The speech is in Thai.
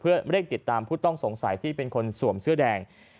เพื่อเร่งติดตามผู้ต้องสงสัยที่เป็นคนสวมเสื้อแดง